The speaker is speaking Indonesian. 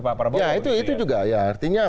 pak prabowo ya itu juga artinya